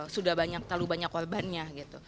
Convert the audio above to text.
sudah banyak terlalu banyak korbannya gitu